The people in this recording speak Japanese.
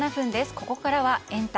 ここからはエンタ！